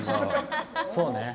そうね。